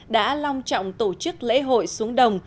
đã long trọng tổ chức lễ hội xuống đồng